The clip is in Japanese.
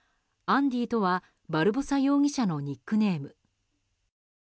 アンディとはバルボサ容疑者のニックネーム。